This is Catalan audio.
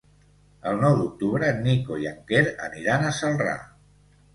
El nou d'octubre en Nico i en Quer aniran a Celrà.